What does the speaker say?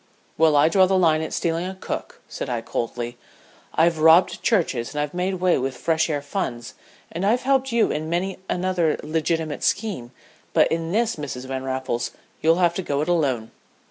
"Well, I draw the line at stealing a cook," said I, coldly. "I've robbed churches and I've made way with fresh air funds, and I've helped you in many another legitimate scheme, but in this, Mrs. Van Raffles, you'll have to go it alone."